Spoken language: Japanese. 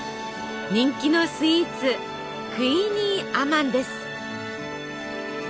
人気のスイーツクイニーアマンです。